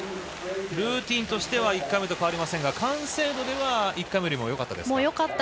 ルーティンとしては１回目と変わりませんが完成度では１回目よりよかったですか？